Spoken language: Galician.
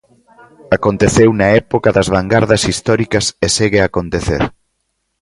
Aconteceu na época das vangardas históricas e segue a acontecer.